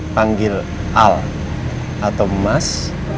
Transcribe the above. panggil al atau mas